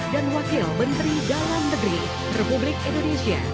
dan wakil menteri dalam negeri republik indonesia